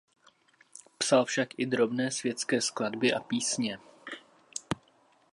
Psal však i drobné světské skladby a písně.